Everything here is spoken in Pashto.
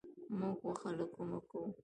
موږ غوښه له کومه کوو؟